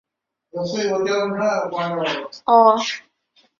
之后文帝希望从向来关系良好的西梁选位公主为晋王之妃。